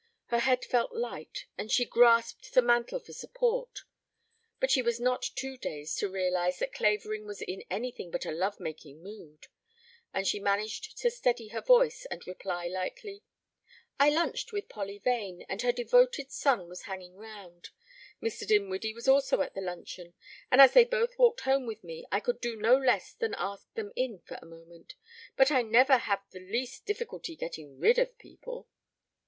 Her head felt light and she grasped the mantel for support; but she was not too dazed to realize that Clavering was in anything but a love making mood, and she managed to steady her voice and reply lightly: "I lunched with Polly Vane, and her devoted son was hanging 'round. Mr. Dinwiddie was also at the luncheon, and as they both walked home with me I could do no less than ask them in for a moment. But I never have the least difficulty getting rid of people."